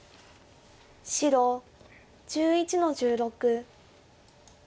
白１１の十六。